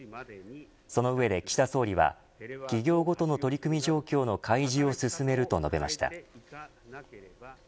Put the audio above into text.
その上で岸田総理は企業ごとの取り組み状況の開示を進めると述べました。